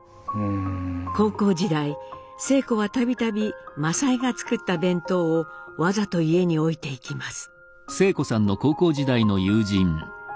高校時代晴子は度々政枝が作った弁当をわざと家に置いていきます。